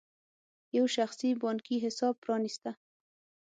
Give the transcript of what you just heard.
یو شخصي بانکي حساب پرانېسته.